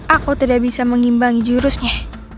aku tidak bisa mengimbangi jurusnya